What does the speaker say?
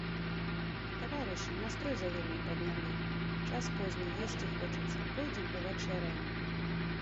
Таварышы, настрой завельмі паднялі, час позні, есці хочацца, пойдзем павячэраем.